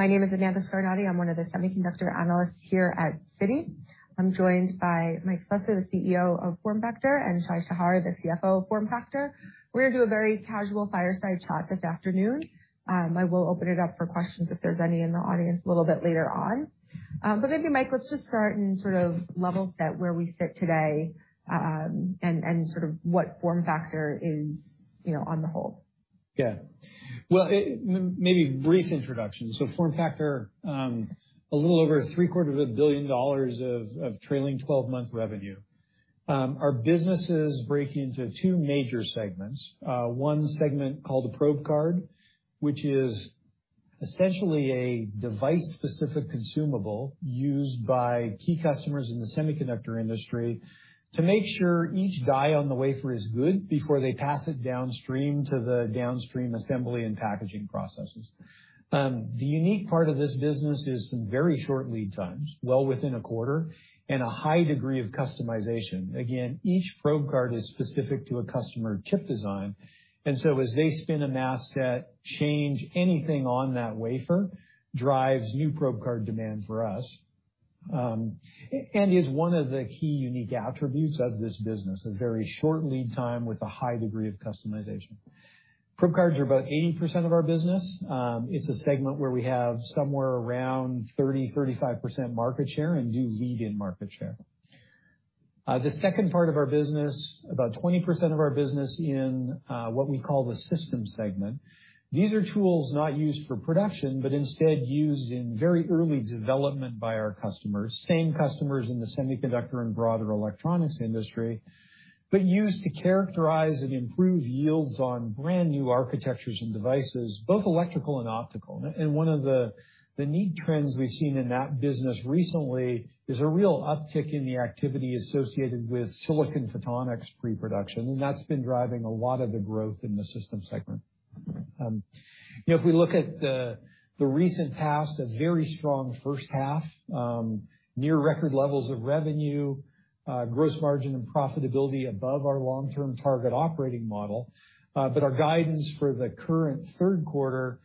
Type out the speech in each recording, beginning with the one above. My name is Amanda Scarnati. I'm one of the semiconductor analysts here at Citi. I'm joined by Mike Slessor, the CEO of FormFactor, and Shai Shahar, the CFO of FormFactor. We're gonna do a very casual fireside chat this afternoon. I will open it up for questions if there's any in the audience a little bit later on. Thank you, Mike. Let's just start and sort of level set where we sit today, and sort of what FormFactor is, you know, on the whole. Yeah. Well, maybe a brief introduction. FormFactor, a little over three-quarters of a billion dollars of trailing 12-month revenue. Our businesses break into two major segments. One segment called a probe card, which is essentially a device-specific consumable used by key customers in the semiconductor industry to make sure each die on the wafer is good before they pass it downstream to the assembly and packaging processes. The unique part of this business is some very short lead times, well within a quarter, and a high degree of customization. Again, each probe card is specific to a customer chip design, and so as they spin a mask set, change anything on that wafer drives new probe card demand for us, and is one of the key unique attributes of this business, a very short lead time with a high degree of customization. Probe cards are about 80% of our business. It's a segment where we have somewhere around thirty-five percent market share and do lead in market share. The second part of our business, about 20% of our business in what we call the system segment. These are tools not used for production, but instead used in very early development by our customers, same customers in the semiconductor and broader electronics industry, but used to characterize and improve yields on brand-new architectures and devices, both electrical and optical. One of the neat trends we've seen in that business recently is a real uptick in the activity associated with silicon photonics pre-production, and that's been driving a lot of the growth in the systems segment. You know, if we look at the recent past, a very strong first half, near record levels of revenue, gross margin and profitability above our long-term target operating model. Our guidance for the current third quarter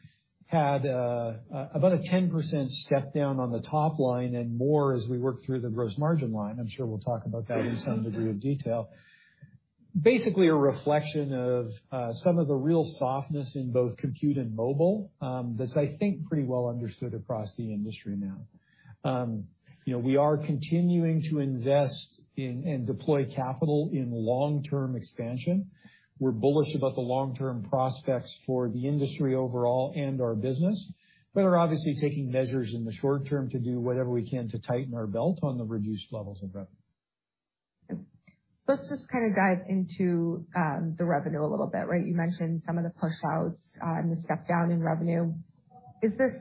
had about a 10% step down on the top line and more as we work through the gross margin line. I'm sure we'll talk about that in some degree of detail. Basically, a reflection of some of the real softness in both compute and mobile, that's, I think, pretty well understood across the industry now. you know, we are continuing to invest in and deploy capital in long-term expansion. We're bullish about the long-term prospects for the industry overall and our business, but are obviously taking measures in the short term to do whatever we can to tighten our belt on the reduced levels of revenue. Let's just kinda dive into the revenue a little bit, right? You mentioned some of the push outs and the step down in revenue. Is this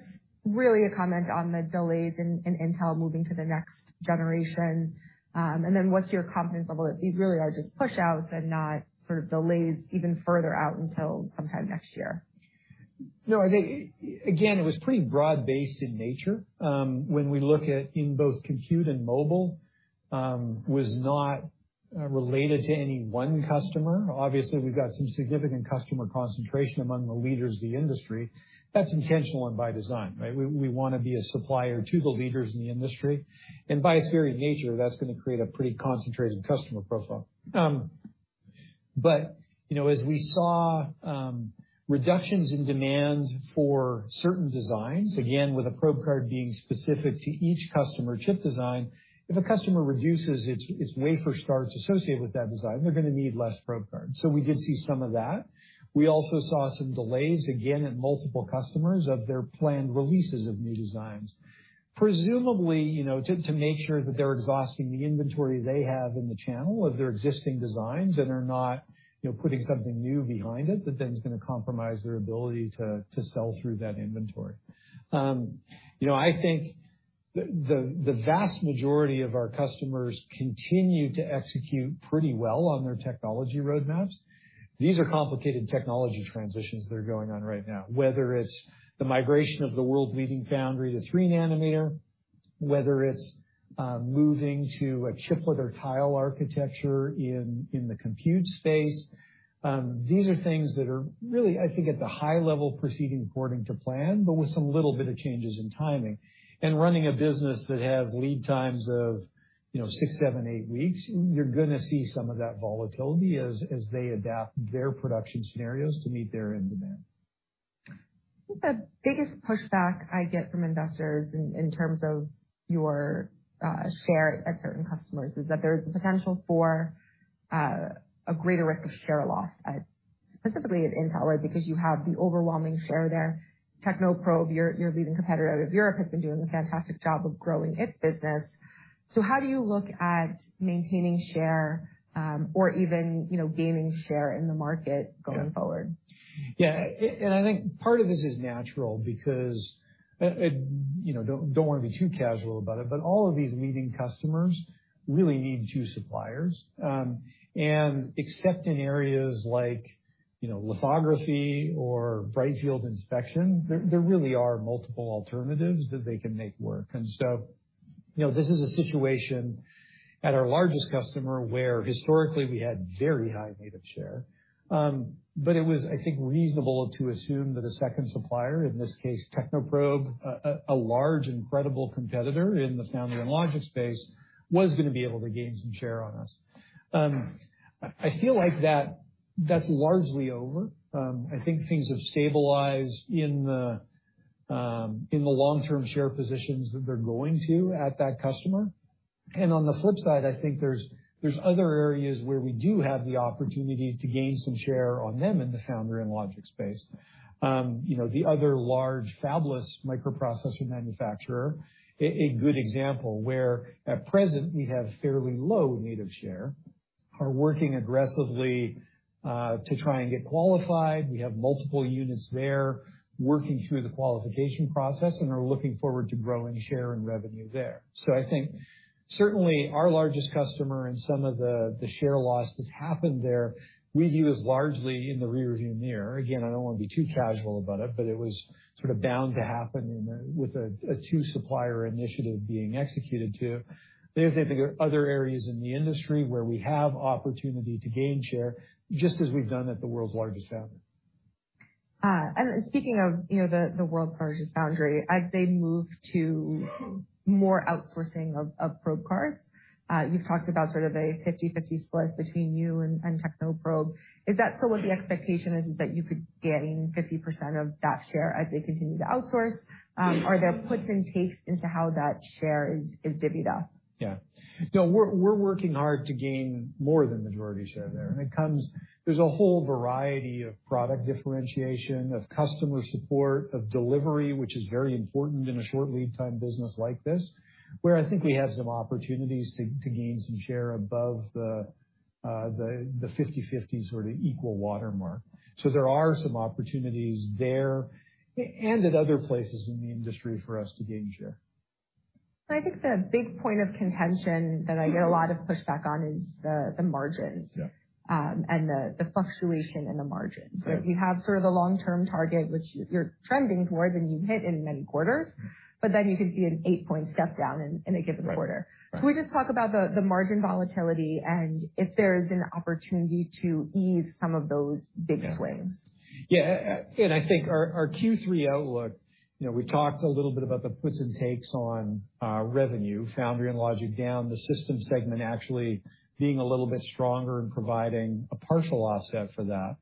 really a comment on the delays in Intel moving to the next generation? What's your confidence level that these really are just push outs and not sort of delays even further out until sometime next year? No, I think, again, it was pretty broad-based in nature. When we look at it in both compute and mobile, it was not related to any one customer. Obviously, we've got some significant customer concentration among the leaders of the industry. That's intentional and by design, right? We wanna be a supplier to the leaders in the industry, and by its very nature, that's gonna create a pretty concentrated customer profile. But, you know, as we saw, reductions in demand for certain designs, again, with a probe card being specific to each customer chip design, if a customer reduces its wafer starts associated with that design, they're gonna need less probe cards. So we did see some of that. We also saw some delays, again, at multiple customers of their planned releases of new designs. Presumably, you know, to make sure that they're exhausting the inventory they have in the channel of their existing designs and are not, you know, putting something new behind it that then is gonna compromise their ability to sell through that inventory. You know, I think the vast majority of our customers continue to execute pretty well on their technology roadmaps. These are complicated technology transitions that are going on right now, whether it's the migration of the world's leading foundry to 3 nanometer, whether it's moving to a chiplet or tile architecture in the compute space. These are things that are really, I think, at the high level proceeding according to plan, but with some little bit of changes in timing. Running a business that has lead times of, you know, 6, 7, 8 weeks, you're gonna see some of that volatility as they adapt their production scenarios to meet their end demand. I think the biggest pushback I get from investors in terms of your share at certain customers is that there's potential for a greater risk of share loss at, specifically at Intel, right? Because you have the overwhelming share there. Technoprobe, your leading competitor out of Europe, has been doing a fantastic job of growing its business. How do you look at maintaining share, or even, you know, gaining share in the market going forward? Yeah. I think part of this is natural because, you know, don't wanna be too casual about it, but all of these leading customers really need two suppliers. Except in areas like, you know, lithography or bright field inspection, there really are multiple alternatives that they can make work. You know, this is a situation at our largest customer where historically we had very high native share. It was, I think, reasonable to assume that a second supplier, in this case Technoprobe, a large and credible competitor in the foundry and logic space, was gonna be able to gain some share on us. I feel like that's largely over. I think things have stabilized in the long-term share positions that they're going to at that customer. On the flip side, I think there's other areas where we do have the opportunity to gain some share on them in the foundry and logic space. You know, the other large fabless microprocessor manufacturer, a good example where at present we have fairly low native share, are working aggressively to try and get qualified. We have multiple units there working through the qualification process and are looking forward to growing share and revenue there. I think certainly our largest customer and some of the share loss that's happened there we view as largely in the rearview mirror. Again, I don't wanna be too casual about it, but it was sort of bound to happen in the end with a two-supplier initiative being executed too. I think there are other areas in the industry where we have opportunity to gain share, just as we've done at the world's largest foundry. speaking of, you know, the world's largest foundry, as they move to more outsourcing of probe cards, you've talked about sort of a 50-50 split between you and Technoprobe. Is that still what the expectation is, that you could gain 50% of that share as they continue to outsource? Are there puts and takes into how that share is divvied up? Yeah. No, we're working hard to gain more than majority share there. There's a whole variety of product differentiation, of customer support, of delivery, which is very important in a short lead time business like this, where I think we have some opportunities to gain some share above the 50/50 sort of equal watermark. There are some opportunities there and at other places in the industry for us to gain share. I think the big point of contention that I get a lot of pushback on is the margin. Yeah. The fluctuation in the margin. Right. You have sort of the long-term target, which you're trending towards, and you hit in many quarters, but then you can see an 8-point step-down in a given quarter. Right. Can we just talk about the margin volatility and if there's an opportunity to ease some of those big swings? Yeah. I think our Q3 outlook, you know, we talked a little bit about the puts and takes on revenue, foundry and logic down, the systems segment actually being a little bit stronger and providing a partial offset for that.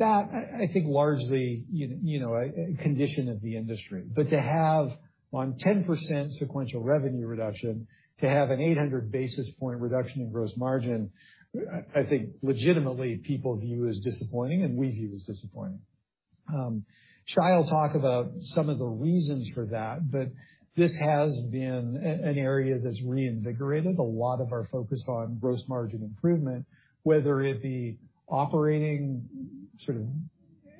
That I think largely, you know, a condition of the industry. To have on 10% sequential revenue reduction, to have an 800 basis point reduction in gross margin, I think legitimately people view as disappointing and we view as disappointing. Shai'll talk about some of the reasons for that, but this has been a an area that's reinvigorated a lot of our focus on gross margin improvement, whether it be operating sort of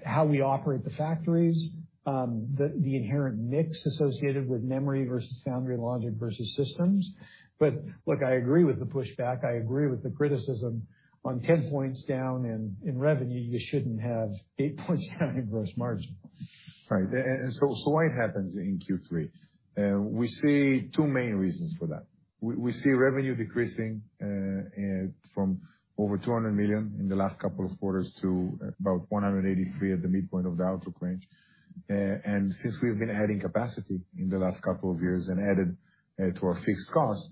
how we operate the factories, the inherent mix associated with memory versus foundry and logic versus systems. Look, I agree with the pushback. I agree with the criticism. On 10% down in revenue, you shouldn't have 8% down in gross margin. Right. Why it happens in Q3? We see two main reasons for that. We see revenue decreasing from over $200 million in the last couple of quarters to about $183 million at the midpoint of the outlook range. Since we've been adding capacity in the last couple of years and added to our fixed cost,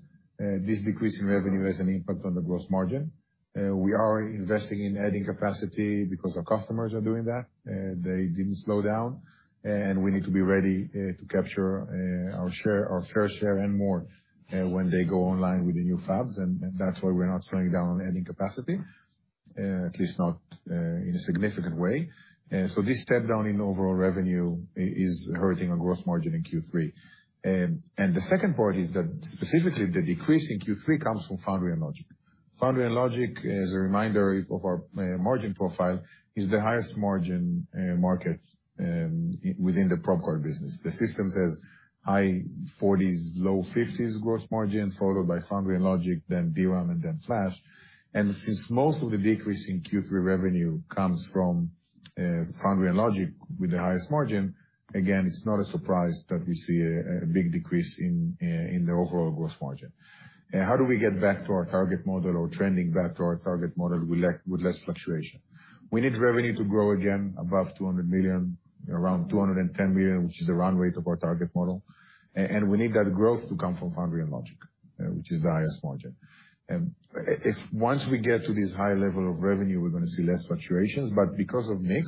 this decrease in revenue has an impact on the gross margin. We are investing in adding capacity because our customers are doing that. They didn't slow down, and we need to be ready to capture our share, our fair share and more when they go online with the new fabs. That's why we're not slowing down on adding capacity, at least not in a significant way. This step down in overall revenue is hurting our gross margin in Q3. The second part is that specifically the decrease in Q3 comes from foundry and logic. Foundry and logic, as a reminder of our margin profile, is the highest margin market within the probe card business. The systems has high 40s, low 50s% gross margin, followed by foundry and logic, then DRAM and then flash. Since most of the decrease in Q3 revenue comes from foundry and logic with the highest margin, again, it's not a surprise that we see a big decrease in the overall gross margin. How do we get back to our target model or trending back to our target model with less fluctuation? We need revenue to grow again above $200 million, around $210 million, which is the run rate of our target model. And we need that growth to come from foundry and logic, which is the highest margin. If once we get to this high level of revenue, we're gonna see less fluctuations, but because of mix,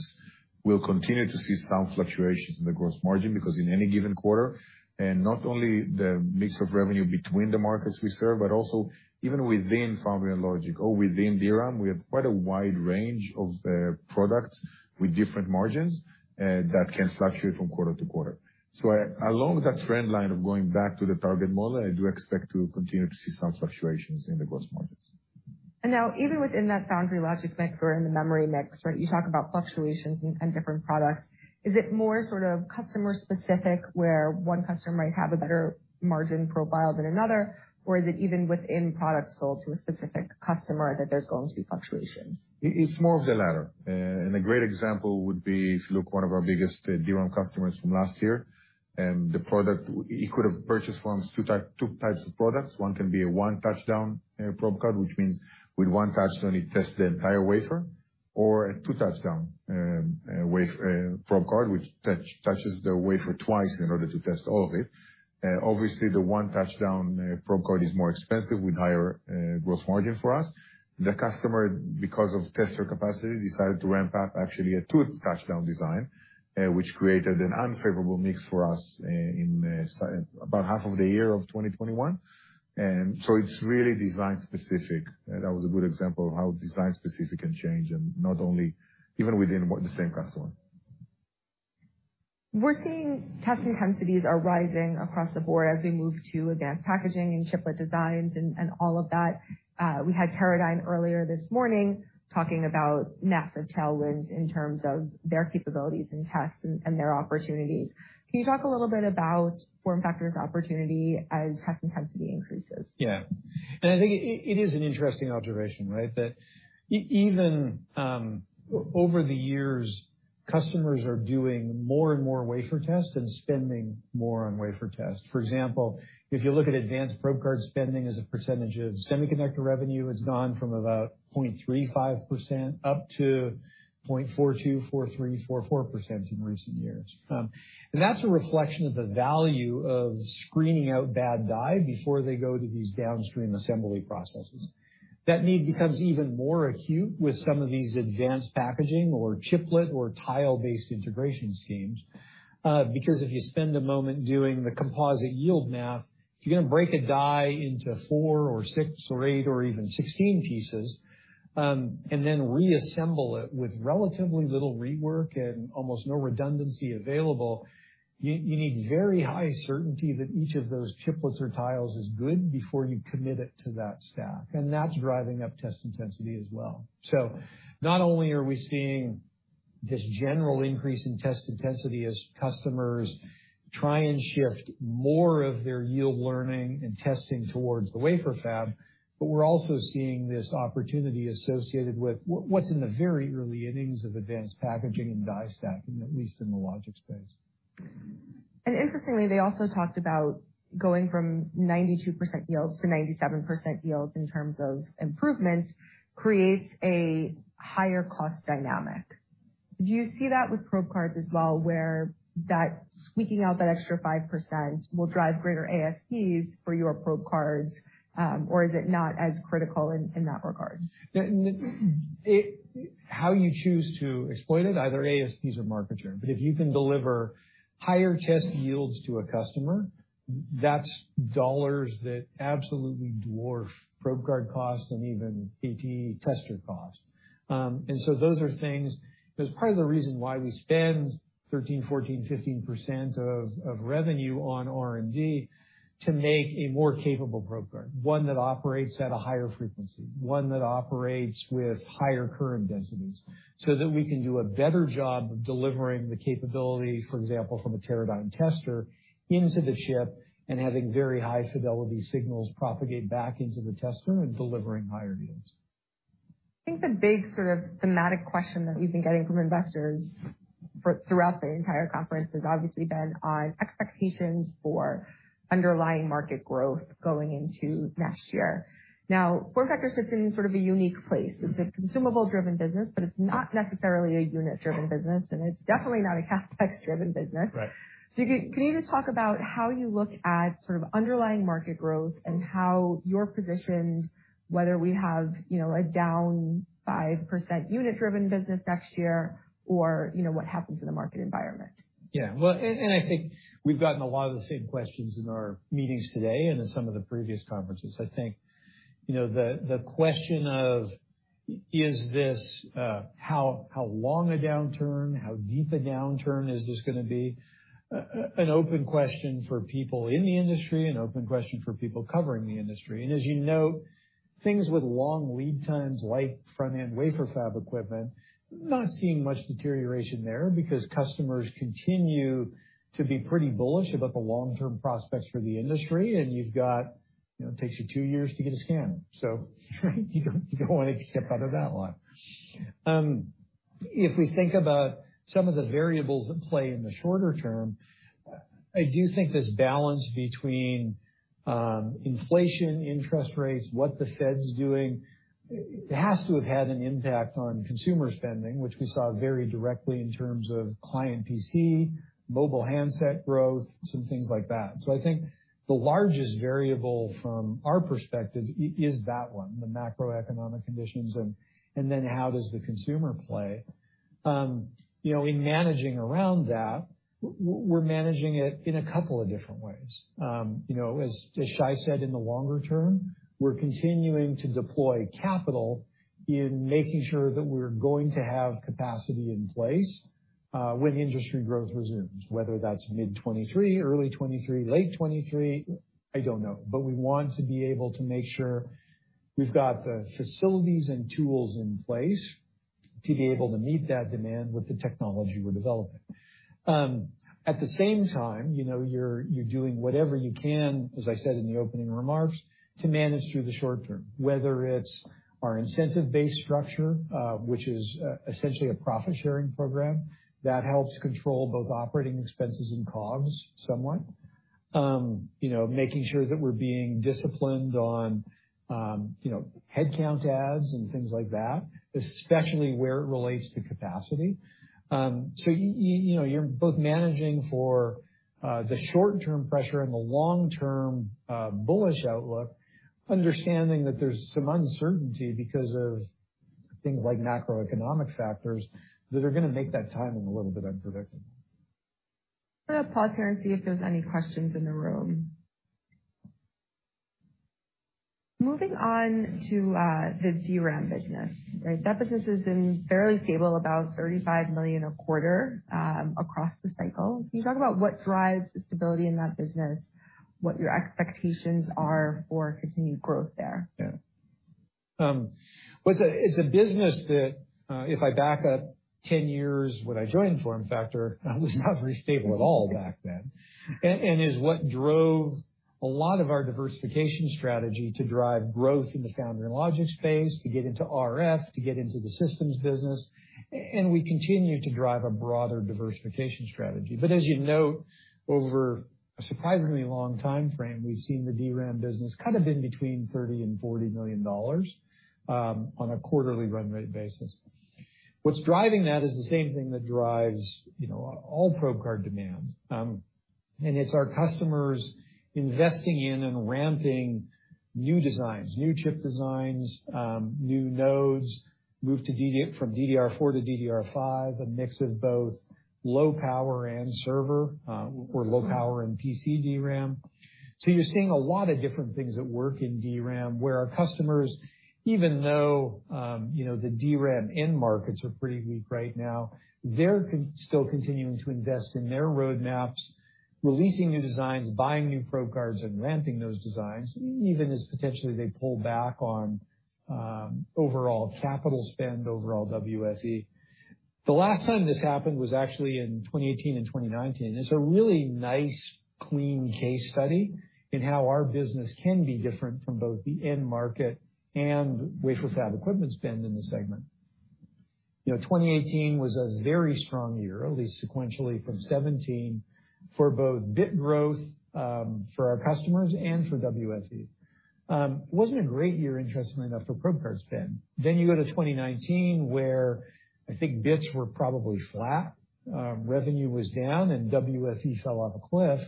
we'll continue to see some fluctuations in the gross margin, because in any given quarter, and not only the mix of revenue between the markets we serve, but also even within foundry and logic or within DRAM, we have quite a wide range of products with different margins that can fluctuate from quarter to quarter. Along that trend line of going back to the target model, I do expect to continue to see some fluctuations in the gross margins. Now even within that foundry and logic mix or in the memory mix, right, you talk about fluctuations in different products. Is it more sort of customer specific, where one customer might have a better margin profile than another? Or is it even within products sold to a specific customer that there's going to be fluctuations? It's more of the latter. A great example would be if you look at one of our biggest DRAM customers from last year, the products he could have purchased from us: two types of products. One can be a one touchdown probe card, which means with one touchdown, it tests the entire wafer. Or a two touchdown wafer probe card, which touches the wafer twice in order to test all of it. Obviously the one touchdown probe card is more expensive with higher gross margin for us. The customer, because of tester capacity, decided to ramp up actually a two touchdown design, which created an unfavorable mix for us in about half of the year of 2021. It's really design specific. That was a good example of how design specific can change, and not only even within the same customer. We're seeing test intensities are rising across the board as we move to advanced packaging and chiplet designs and all of that. We had Teradyne earlier this morning talking about massive tailwinds in terms of their capabilities in tests and their opportunities. Can you talk a little bit about FormFactor's opportunity as test intensity increases? Yeah. I think it is an interesting observation, right? That even over the years, customers are doing more and more wafer tests and spending more on wafer tests. For example, if you look at advanced probe card spending as a percentage of semiconductor revenue, it's gone from about 0.35% up to 0.42%-0.44% in recent years. That's a reflection of the value of screening out bad die before they go to these downstream assembly processes. That need becomes even more acute with some of these advanced packaging or chiplet or tile-based integration schemes. Because if you spend a moment doing the composite yield math, if you're gonna break a die into 4 or 6 or 8 or even 16 pieces, and then reassemble it with relatively little rework and almost no redundancy available, you need very high certainty that each of those chiplets or tiles is good before you commit it to that stack, and that's driving up test intensity as well. Not only are we seeing this general increase in test intensity as customers try and shift more of their yield learning and testing towards the wafer fab, but we're also seeing this opportunity associated with what's in the very early innings of advanced packaging and die stacking, at least in the logic space. Interestingly, they also talked about going from 92% yields to 97% yields in terms of improvements creates a higher cost dynamic. Do you see that with probe cards as well, where that squeezing out that extra 5% will drive greater ASPs for your probe cards, or is it not as critical in that regard? Yeah, how you choose to exploit it, either ASPs or market share, but if you can deliver higher test yields to a customer, that's dollars that absolutely dwarf probe card costs and even ATE tester costs. Those are things. That's part of the reason why we spend 13%-15% of revenue on R&D to make a more capable probe card, one that operates at a higher frequency, one that operates with higher current densities, so that we can do a better job of delivering the capability, for example, from a Teradyne tester into the chip and having very high fidelity signals propagate back into the tester and delivering higher yields. I think the big sort of thematic question that we've been getting from investors throughout the entire conference has obviously been on expectations for underlying market growth going into next year. Now, FormFactor sits in sort of a unique place. It's a consumable driven business, but it's not necessarily a unit driven business, and it's definitely not a CapEx driven business. Right. Can you just talk about how you look at sort of underlying market growth and how you're positioned, whether we have, you know, a down 5% unit driven business next year or, you know, what happens in the market environment? Yeah. Well, I think we've gotten a lot of the same questions in our meetings today and in some of the previous conferences. I think, you know, the question of is this how long a downturn, how deep a downturn is this gonna be, an open question for people in the industry, an open question for people covering the industry. As you know, things with long lead times, like front-end wafer fab equipment, not seeing much deterioration there because customers continue to be pretty bullish about the long-term prospects for the industry, and you've got, you know, it takes you two years to get a scanner, so you don't wanna step out of that line. If we think about some of the variables at play in the shorter term, I do think this balance between, inflation, interest rates, what the Fed's doing, it has to have had an impact on consumer spending, which we saw very directly in terms of client PC, mobile handset growth, some things like that. I think the largest variable from our perspective is that one, the macroeconomic conditions and then how does the consumer play. You know, in managing around that, we're managing it in a couple of different ways. You know, as Shai said, in the longer term, we're continuing to deploy capital in making sure that we're going to have capacity in place, when the industry growth resumes, whether that's mid 2023, early 2023, late 2023, I don't know. We want to be able to make sure we've got the facilities and tools in place to be able to meet that demand with the technology we're developing. At the same time, you know, you're doing whatever you can, as I said in the opening remarks, to manage through the short term, whether it's our incentive-based structure, which is essentially a profit-sharing program that helps control both operating expenses and COGS somewhat. You know, making sure that we're being disciplined on, you know, headcount adds and things like that, especially where it relates to capacity. You know, you're both managing for the short-term pressure and the long-term bullish outlook, understanding that there's some uncertainty because of things like macroeconomic factors that are gonna make that timing a little bit unpredictable. I'm gonna pause here and see if there's any questions in the room. Moving on to the DRAM business, right? That business has been fairly stable, about $35 million a quarter, across the cycle. Can you talk about what drives the stability in that business, what your expectations are for continued growth there? Yeah. Well, it's a business that, if I back up 10 years when I joined FormFactor, it was not very stable at all back then, and is what drove a lot of our diversification strategy to drive growth in the foundry and logic space, to get into RF, to get into the systems business, and we continue to drive a broader diversification strategy. As you note, over a surprisingly long timeframe, we've seen the DRAM business kind of in between $30 million and $40 million, on a quarterly run rate basis. What's driving that is the same thing that drives, you know, all probe card demand, and it's our customers investing in and ramping new designs, new chip designs, new nodes, move to DDR5 from DDR4, a mix of both low power and server, or low power and PC DRAM. You're seeing a lot of different things at work in DRAM, where our customers, even though, you know, the DRAM end markets are pretty weak right now, they're still continuing to invest in their roadmaps, releasing new designs, buying new probe cards, and ramping those designs, even as potentially they pull back on, overall capital spend, overall WSE. The last time this happened was actually in 2018 and 2019. It's a really nice clean case study in how our business can be different from both the end market and wafer fab equipment spend in the segment. You know, 2018 was a very strong year, at least sequentially from 2017, for both bit growth for our customers and for WSE. It wasn't a great year, interestingly enough, for probe card spend. You go to 2019, where I think bits were probably flat, revenue was down and WSE fell off a cliff.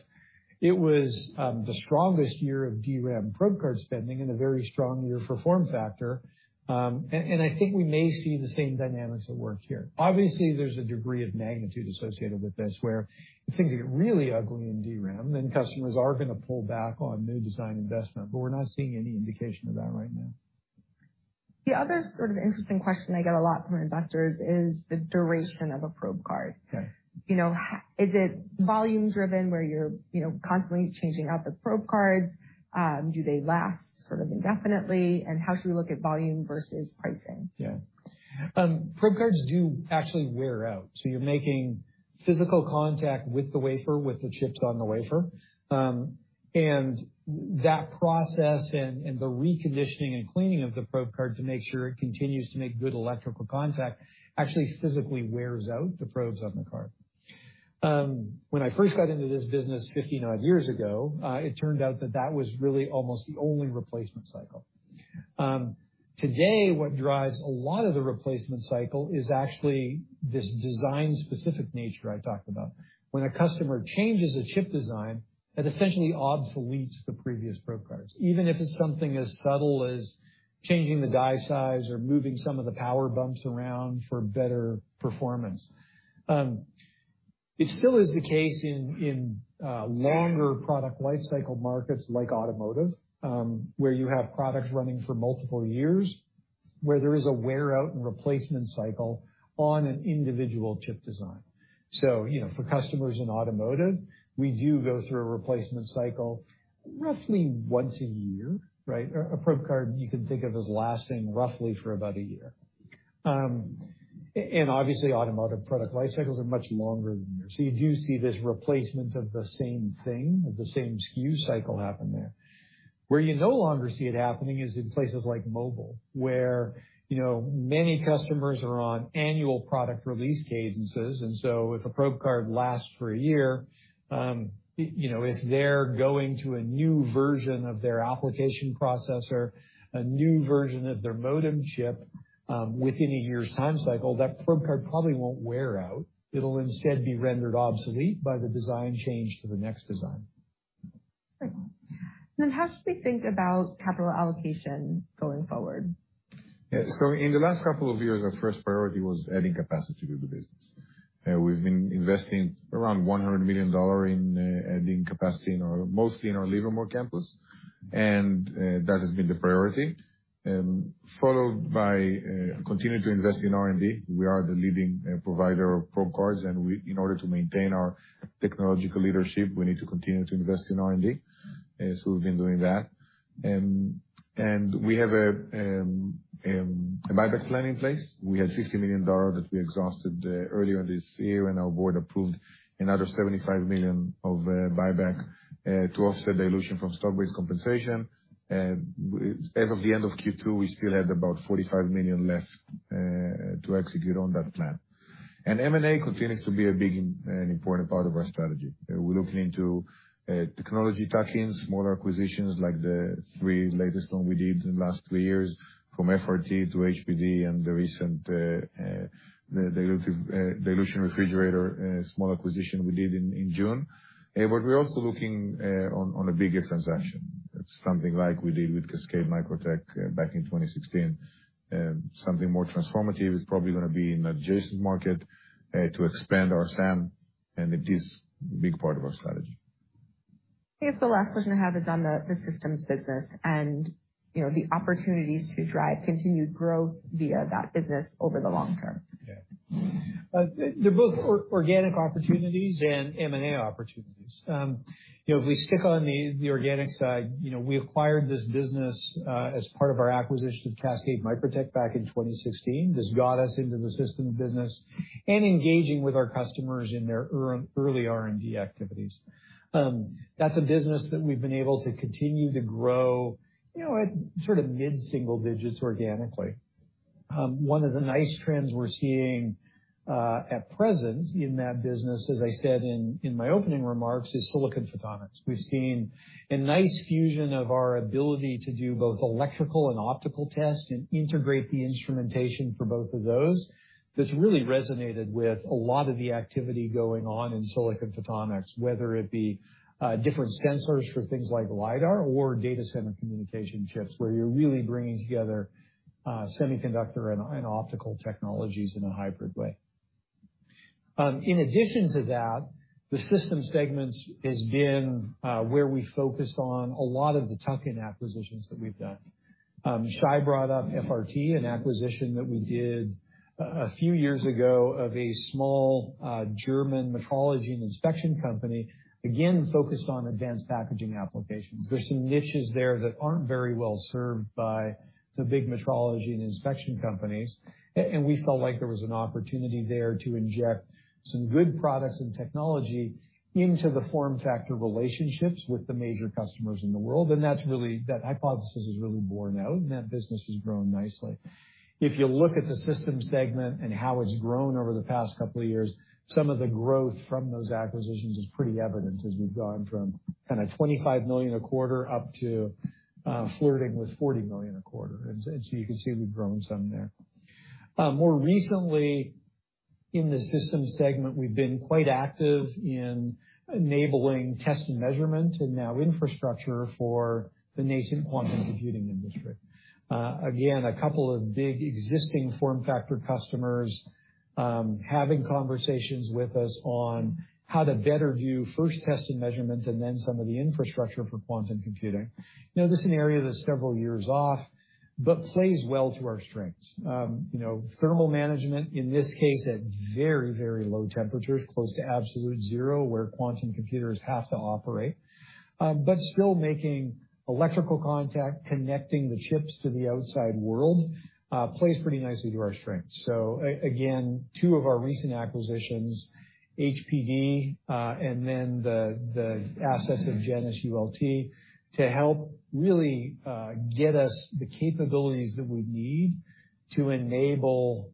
It was the strongest year of DRAM probe card spending and a very strong year for FormFactor, and I think we may see the same dynamics at work here. Obviously, there's a degree of magnitude associated with this, where if things get really ugly in DRAM, then customers are gonna pull back on new design investment, but we're not seeing any indication of that right now. The other sort of interesting question I get a lot from investors is the duration of a probe card. Okay. You know, is it volume driven, where you're, you know, constantly changing out the probe cards? Do they last sort of indefinitely? How should we look at volume versus pricing? Yeah. Probe cards do actually wear out, so you're making physical contact with the wafer, with the chips on the wafer, and that process and the reconditioning and cleaning of the probe card to make sure it continues to make good electrical contact actually physically wears out the probes on the card. When I first got into this business 59 years ago, it turned out that was really almost the only replacement cycle. Today, what drives a lot of the replacement cycle is actually this design-specific nature I talked about. When a customer changes a chip design, that essentially obsoletes the previous probe cards, even if it's something as subtle as changing the die size or moving some of the power bumps around for better performance. It still is the case in longer product life cycle markets like automotive, where you have products running for multiple years, where there is a wear out and replacement cycle on an individual chip design. You know, for customers in automotive, we do go through a replacement cycle roughly once a year, right? A probe card you can think of as lasting roughly for about a year. Obviously, automotive product life cycles are much longer than yours. You do see this replacement of the same thing, of the same SKU cycle happen there. Where you no longer see it happening is in places like mobile, where, you know, many customers are on annual product release cadences, and so if a probe card lasts for a year, you know, if they're going to a new version of their application processor, a new version of their modem chip, within a year's time cycle, that probe card probably won't wear out. It'll instead be rendered obsolete by the design change to the next design. Great. How should we think about capital allocation going forward? Yeah. In the last couple of years, our first priority was adding capacity to the business. We've been investing around $100 million in adding capacity mostly in our Livermore campus, and that has been the priority. Followed by continuing to invest in R&D. We are the leading provider of probe cards. In order to maintain our technological leadership, we need to continue to invest in R&D, so we've been doing that. We have a buyback plan in place. We had $50 million that we exhausted earlier this year, and our board approved another $75 million of buyback to offset dilution from stock-based compensation. As of the end of Q2, we still had about $45 million left to execute on that plan. M&A continues to be a big and important part of our strategy. We're looking into technology tuck-ins, smaller acquisitions like the three latest ones we did in the last three years, from FRT to HPD and the recent dilution refrigerator small acquisition we did in June. We're also looking at a bigger transaction. It's something like we did with Cascade Microtech back in 2016. Something more transformative is probably gonna be an adjacent market to expand our SAM, and it is a big part of our strategy. I guess the last question I have is on the systems business and, you know, the opportunities to drive continued growth via that business over the long term. Yeah. They're both organic opportunities and M&A opportunities. You know, if we stick on the organic side, you know, we acquired this business as part of our acquisition of Cascade Microtech back in 2016. This got us into the systems business and engaging with our customers in their early R&D activities. That's a business that we've been able to continue to grow, you know, at sort of mid-single digits organically. One of the nice trends we're seeing at present in that business, as I said in my opening remarks, is silicon photonics. We've seen a nice fusion of our ability to do both electrical and optical tests and integrate the instrumentation for both of those that's really resonated with a lot of the activity going on in silicon photonics, whether it be different sensors for things like LIDAR or data center communication chips, where you're really bringing together semiconductor and optical technologies in a hybrid way. In addition to that, the systems segment has been where we focused on a lot of the tuck-in acquisitions that we've done. Shai brought up FRT, an acquisition that we did a few years ago of a small German metrology and inspection company, again, focused on advanced packaging applications. There's some niches there that aren't very well served by the big metrology and inspection companies, and we felt like there was an opportunity there to inject some good products and technology into the FormFactor relationships with the major customers in the world, and that's really that hypothesis is really borne out, and that business has grown nicely. If you look at the systems segment and how it's grown over the past couple of years, some of the growth from those acquisitions is pretty evident as we've gone from kind of $25 million a quarter up to flirting with $40 million a quarter, and so you can see we've grown some there. More recently, in the systems segment, we've been quite active in enabling test and measurement and now infrastructure for the nascent quantum computing industry. Again, a couple of big existing FormFactor customers, having conversations with us on how to better view first test and measurement and then some of the infrastructure for quantum computing. You know, this is an area that's several years off but plays well to our strengths. You know, thermal management, in this case, at very, very low temperatures, close to absolute zero, where quantum computers have to operate, but still making electrical contact, connecting the chips to the outside world, plays pretty nicely to our strengths. Again, two of our recent acquisitions, HPD, and then the assets of Janis ULT, to help really get us the capabilities that we need to enable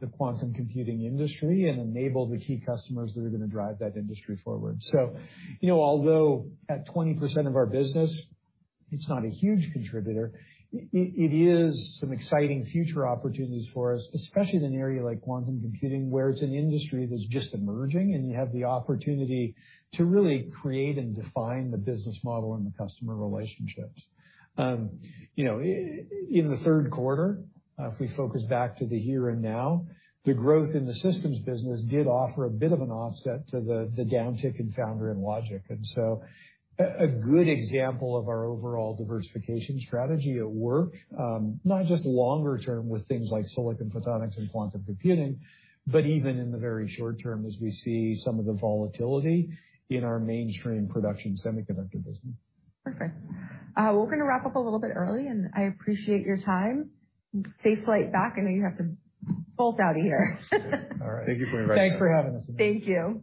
the quantum computing industry and enable the key customers that are gonna drive that industry forward. You know, although at 20% of our business, it's not a huge contributor, it is some exciting future opportunities for us, especially in an area like quantum computing, where it's an industry that's just emerging, and you have the opportunity to really create and define the business model and the customer relationships. You know, in the third quarter, if we focus back to the here and now, the growth in the systems business did offer a bit of an offset to the downtick in foundry and logic. A good example of our overall diversification strategy at work, not just longer term with things like silicon photonics and quantum computing, but even in the very short term, as we see some of the volatility in our mainstream production semiconductor business. Perfect. We're gonna wrap up a little bit early, and I appreciate your time. Safe flight back. I know you have to bolt out of here. All right. Thank you for inviting us. Thanks for having us. Thank you.